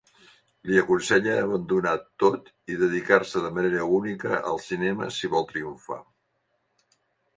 Li aconsella abandonar tot i dedicar-se de manera única al cinema si vol triomfar.